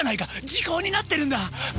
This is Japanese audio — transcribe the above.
時効になってるんだ！